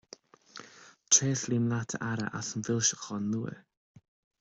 Tréaslaím leat a Aire as an bhfoilseachán nua.